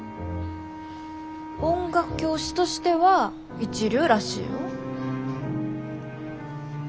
音楽教師としては一流らしいよ。